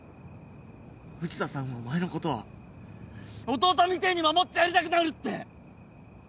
藤田さんはお前のことは弟みてえに守ってやりたくなるって！